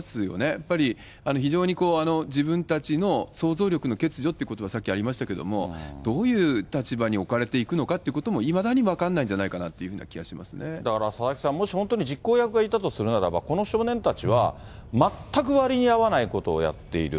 やっぱり非常に自分たちの想像力の欠如ってことば、さっきありましたけれども、どういう立場に置かれていくのかってこともいまだに分かんないんだから佐々木さん、もし本当に実行役がいたとするならば、この少年たちは全く割に合わないことをやっている。